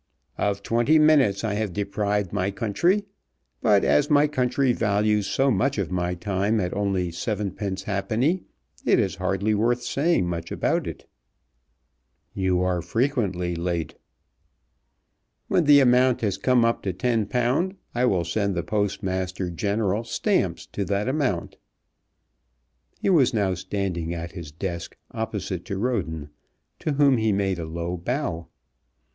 Of twenty minutes I have deprived my country; but as my country values so much of my time at only seven pence halfpenny, it is hardly worth saying much about it." "You are frequently late." "When the amount has come up to ten pound I will send the Postmaster General stamps to that amount." He was now standing at his desk, opposite to Roden, to whom he made a low bow.